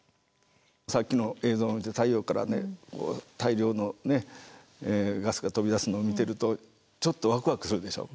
さっきの映像太陽から大量のガスが飛び出すのを見てるとちょっとワクワクするでしょ？